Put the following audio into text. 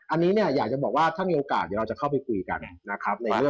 อันนี้อยากจะบอกว่าถ้ามีโอกาสเราจะเข้าไปคุยกันนะครับ